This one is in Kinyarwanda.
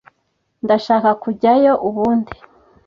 Ndashaka kujyayo ubundi.